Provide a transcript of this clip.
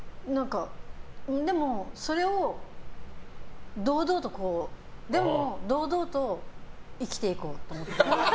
でも、それをでも堂々と生きていこうと思って。